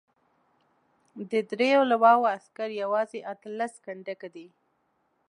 د دریو لواوو عسکر یوازې اته لس کنډکه دي.